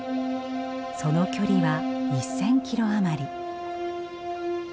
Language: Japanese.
その距離は１，０００キロ余り。